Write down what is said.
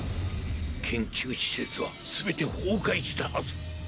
研究施設は全て崩壊したはず。